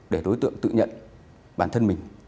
để đối tượng tự nhận bản thân mình